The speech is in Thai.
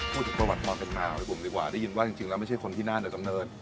พูดจากประวัติศาสตร์เป็นมากกว่าให้ผมดีกว่าได้ยินว่าจริงจริงแล้วไม่ใช่คนที่น่านแต่กำเนิด